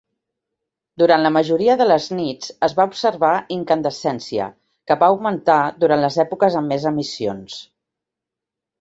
Durant la majoria de les nits es va observar incandescència, que va augmentar durant les èpoques amb més emissions.